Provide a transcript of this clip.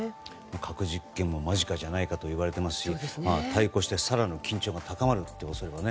核実験も間近じゃないかと言われていますし更に緊張感が高まる恐れも。